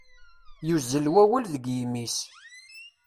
Yuzzel wawal deg yimi-s.